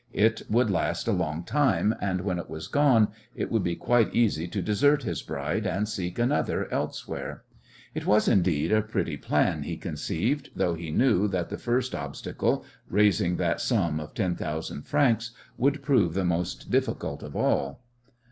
It would last a long time, and when it was gone it would be quite easy to desert his bride, and seek another elsewhere. It was, indeed, a pretty plan he conceived, though he knew that the first obstacle raising that sum of ten thousand francs would prove the most difficult of all.